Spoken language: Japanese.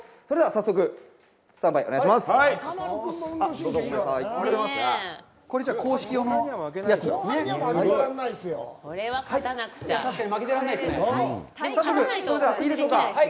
早速、それではいいでしょうか？